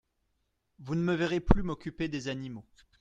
Vous ne me verrez plus m’occuper des animaux.